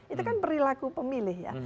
itu kan perilaku pemilih ya